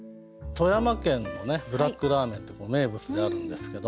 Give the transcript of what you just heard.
富山県のねブラックラーメンって名物であるんですけど